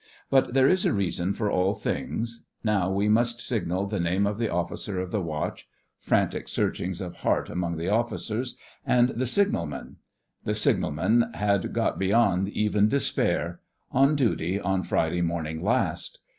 But there is a reason for all things. Now, we must signal the name of the officer of the watch (frantic searchings of heart among the officers) and the signalman (the signalmen had got beyond even despair), on duty on Friday morning last.